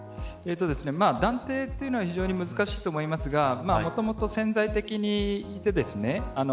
断定は非常に難しいと思いますがもともと潜在的にいてですね